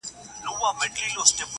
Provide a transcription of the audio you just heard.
شګوفې وغوړیږي ښکلي سي سبا ته نه وي-